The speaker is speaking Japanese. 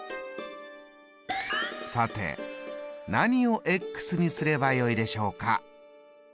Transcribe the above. さて何をにすればよいでしょうか？